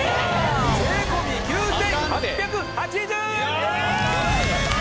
税込９８８０円でーす！